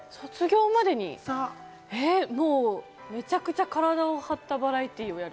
めちゃくちゃ体を張ったバラエティーをやる？